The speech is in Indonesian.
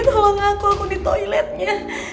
tolong aku aku di toiletnya